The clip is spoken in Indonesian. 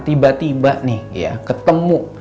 tiba tiba nih ya ketemu